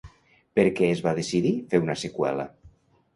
Per què es va decidir fer una seqüela?